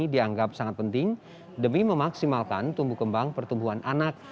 dianggap sangat penting demi memaksimalkan tumbuh kembang pertumbuhan anak